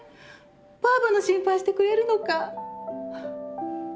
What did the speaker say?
ばあばの心配してくれるのか？